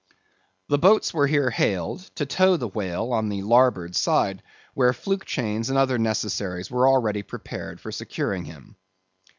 The boats were here hailed, to tow the whale on the larboard side, where fluke chains and other necessaries were already prepared for securing him.